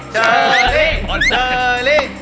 เชอรี่เชอรี่